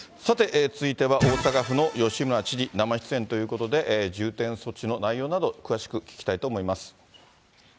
さて、続いては、大阪府の吉村知事、生出演ということで、重点措置の内容など、詳しく聞きたいと思います。